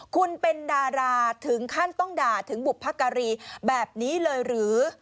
คุณเป็นดาราถึงขั้นต้องด่าถึงบุพการีแบบนี้เลยหรือ